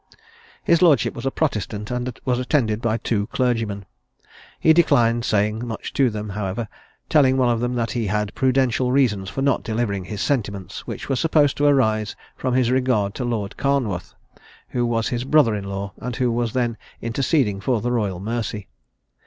His lordship was a Protestant, and was attended by two clergymen. He declined saying much to them, however, telling one of them that he had prudential reasons for not delivering his sentiments; which were supposed to arise from his regard to Lord Carnwarth, who was his brother in law, and who was then interceding for the royal mercy.